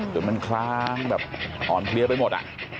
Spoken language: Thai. จนมันคล้ามอ่อนเคลียร์ไปหมด